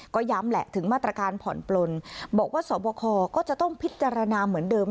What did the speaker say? ก็ย้ำแหละถึงมาตรการผ่อนปลนบอกว่าสวบคก็จะต้องพิจารณาเหมือนเดิม